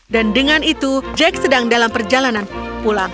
dan dengan itu jack sedang dalam perjalanan pulang